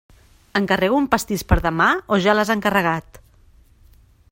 Encarrego un pastís per demà o ja l'has encarregat?